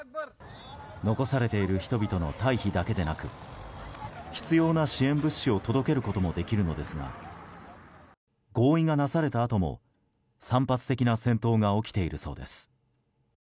残されている人々の退避だけでなく必要な支援物資を届けることもできるのですが合意がなされたあとも散発的な戦闘が起きているそうです。